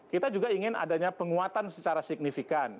kita juga ingin adanya penguatan secara signifikan